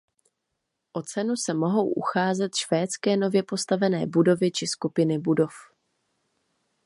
O cenu se mohou ucházet švédské nově postavené budovy či skupiny budov.